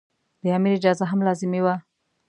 د امیر اجازه هم لازمي وه.